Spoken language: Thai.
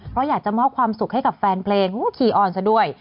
เพราะอยากจะมอบความสุขให้กับแฟนเพลงขี่ออนซะด้วย